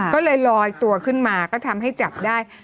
ก็เลยลอยตัวขึ้นมาก็ทำให้จับได้